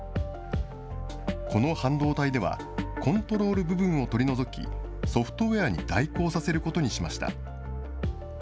この半導体では、コントロール部分を取り除き、ソフトウエアに代行させることにしました。